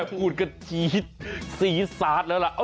แคบกูดกระจี๊ดสีซาดแล้วล่ะ